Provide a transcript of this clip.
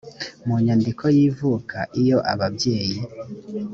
mu nyandiko y ivuka iyo ababyeyi